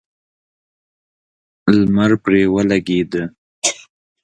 لمر پرې ولګېد.